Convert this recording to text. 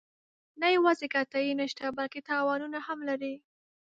نه یوازې ګټه یې نشته بلکې تاوانونه هم لري.